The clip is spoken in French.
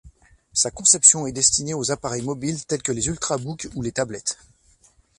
Sa conception est destinée aux appareils mobiles tels que les ultrabooks ou les tablettes.